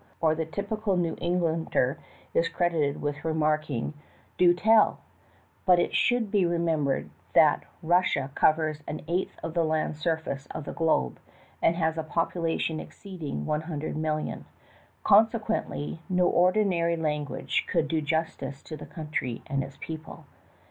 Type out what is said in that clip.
or the typical New Englander is credited with remarking "Do STOPPED BY RUSSIAN ROBBERS. 225 But it should be remembered that Russia eovers an eighth of the land surfaee of the globe, and has a population exeeeding one hundred million. Consequently no ordinary language could do justice to the country and its people.